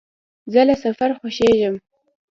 زه له سفر خوښېږم.